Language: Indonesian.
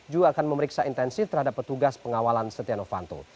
juga akan memeriksa intensif terhadap petugas pengawalan setia novanto